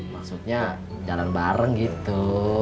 maksudnya jalan bareng gitu